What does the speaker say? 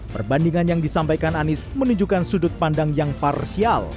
perbandingan yang disampaikan anies menunjukkan sudut pandang yang parsial